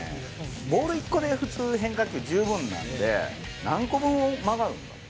ボール１個で普通、変化球十分なんで、何個分曲がるんだ。